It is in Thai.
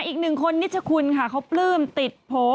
อีกหนึ่งคนนิชคุณค่ะเขาปลื้มติดโพล